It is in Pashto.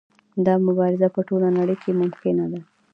دا مبارزه په ټوله نړۍ کې ممکنه ده.